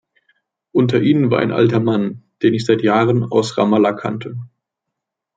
Unter ihnen war ein alter Mann, den ich seit Jahren aus Ramallah kannte.